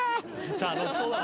「楽しそうだな」